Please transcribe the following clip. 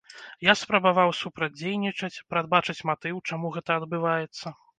Я спрабаваў супрацьдзейнічаць, прадбачыць матыў, чаму гэта адбываецца.